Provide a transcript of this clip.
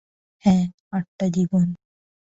হ্যাঁ, আটটা জীবন।